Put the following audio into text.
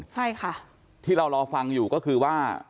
ใช่ค่ะที่เรารอฟังอยู่ก็คือว่า